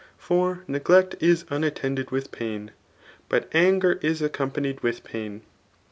For neglect is unattended widi pain ; but anger is accom panied with pain.